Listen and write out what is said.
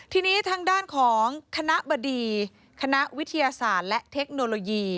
ทีนี้ทางด้านของคณะบดีคณะวิทยาศาสตร์และเทคโนโลยี